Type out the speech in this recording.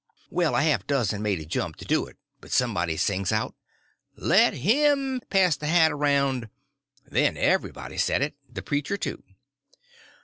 Well, a half a dozen made a jump to do it, but somebody sings out, "Let him pass the hat around!" Then everybody said it, the preacher too.